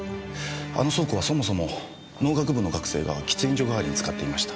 あの倉庫はそもそも農学部の学生が喫煙所代わりに使っていました。